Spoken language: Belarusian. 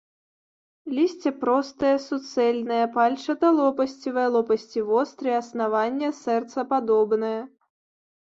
Лісце простае, суцэльнае, пальчата-лопасцевае, лопасці вострыя, аснаванне сэрцападобнае.